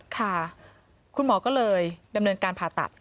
ค่ะคุณหมอก็เลยดำเนินการผ่าตัด